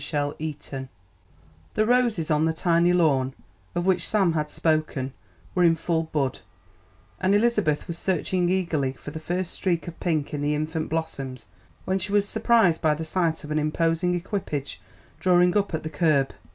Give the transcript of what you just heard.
CHAPTER XI The roses on the tiny lawn of which Sam had spoken were in full bud, and Elizabeth was searching eagerly for the first streak of pink in the infant blossoms when she was surprised by the sight of an imposing equipage drawing up at the curb.